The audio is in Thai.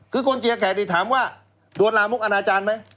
คือคนเชียร์แขกนี่ถามว่าโดนลามกอนาจารย์ไหม